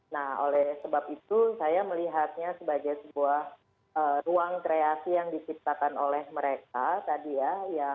nah oleh sebab itu saya melihatnya sebagai sebuah ruang kreasi yang diciptakan oleh mereka tadi ya